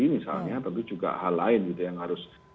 misalnya tentu juga hal lain gitu yang harus